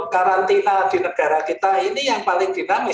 karantina di negara kita ini yang paling dinamis